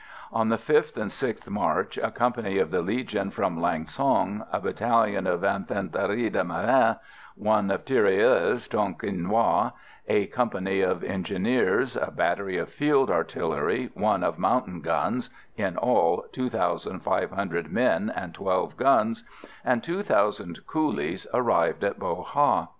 On the 5th and 6th March a company of the Legion from Lang son, a battalion of Infanterie de Marine, one of Tirailleurs Tonkinois, a company of engineers, a battery of field artillery, one of mountain guns (in all, two thousand five hundred men and twelve guns), and two thousand coolies arrived at Bo Ha.